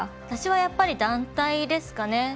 私はやっぱり団体ですかね。